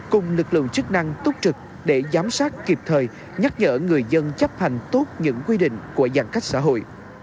cùng lực lượng chức năng túc trực để giám sát kịp thời nhắc nhở người dân chấp hành tốt những quy định của giãn cách xã hội